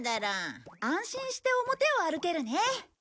安心して表を歩けるね。